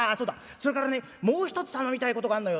それからねもう一つ頼みたいことがあんのよ。